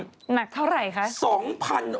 หนักเท่าไหร่คะ